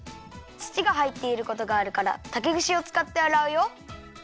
つちがはいっていることがあるからたけぐしをつかってあらうよ。